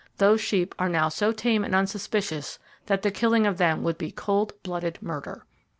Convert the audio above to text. Those sheep are now so tame and unsuspicious that the killing of them would be cold blooded murder!